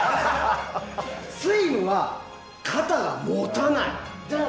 スイムは肩がもたない！